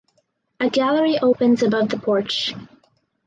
A gallery opens above the porch.